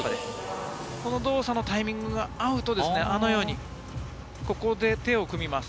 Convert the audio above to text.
この動作のタイミングが合うと、あのように手を組みます。